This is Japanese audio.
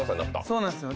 そうなんですよ。